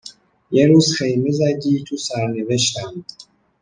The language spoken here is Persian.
یه روز خیمه زدی تو سرنوشتم